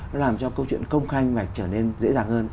nó làm cho câu chuyện công khai minh mạch trở nên dễ dàng hơn